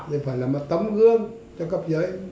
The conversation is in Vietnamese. thì phải là một tấm gương cho cấp giới